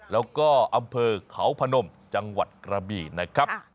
แล้วก็อำเภอเขาพนมจังหวัดกระบี่นะครับ